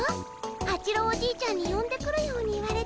八郎おじいちゃんによんでくるように言われて。